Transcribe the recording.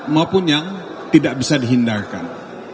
maupun yang tidak bisa dihindarkan